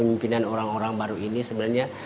ujian bagi kepimpinan orang orang baru ini sebenarnya